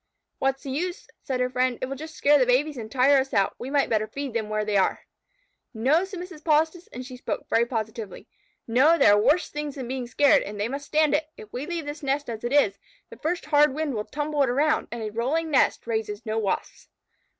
"What is the use?" said her friend. "It will just scare the babies and tire us out. We might better feed them where they are." "No," said Mrs. Polistes, and she spoke very positively. "No! There are worse things than being scared, and they must stand it. If we leave this nest as it is, the first hard wind will tumble it around, and a rolling nest raises no Wasps."